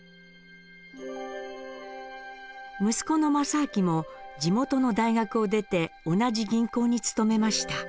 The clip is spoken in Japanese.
息子の政亮も地元の大学を出て同じ銀行に勤めました。